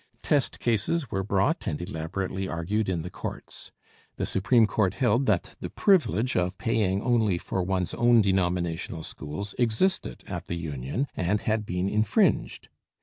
Test cases were brought and elaborately argued in the courts. The Supreme Court held that the privilege of paying only for one's own denominational schools existed at the union, and had been infringed.